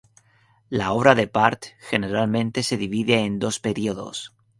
La obra de Pärt generalmente se divide en dos periodos.